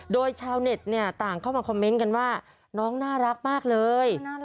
โดยชาวเน็ตเนี่ยต่างเข้ามาคอมเมนต์กันว่าน้องน่ารักมากเลย